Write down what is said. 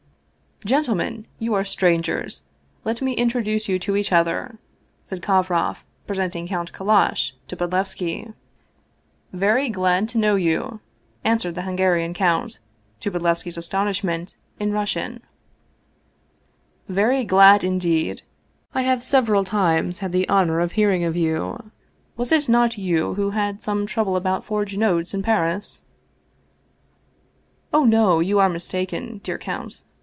" Gentlemen, you are strangers ; let me introduce you to each other," said Kovroff, presenting Count Kallash to Bodlevski. "Very glad to know you," answered the Hungarian count, to Bodlevski's astonishment in Russian ;" very glad, indeed ! I have several times had the honor of hearing of you. Was it not you who had some trouble about forged notes in Paris ?"" Oh, no ! You are mistaken, dear count